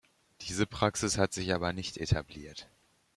Diese Praxis hat sich aber nicht etabliert.